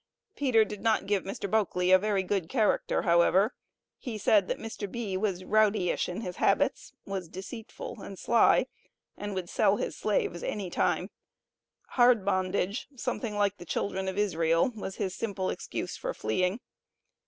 Peter did not give Mr. Boukley a very good character, however; he said, that Mr. B. was "rowdyish in his habits, was deceitful and sly, and would sell his slaves any time. Hard bondage something like the children of Israel," was his simple excuse for fleeing.